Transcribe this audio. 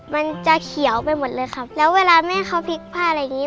มันจะเขียวไปหมดเลยครับแล้วเวลาแม่เขาพลิกผ้าอะไรอย่างงี้